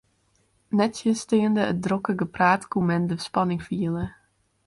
Nettsjinsteande it drokke gepraat koe men de spanning fiele.